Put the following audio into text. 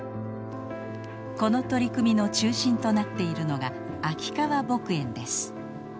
この取り組みの中心となっているのが秋川牧園です。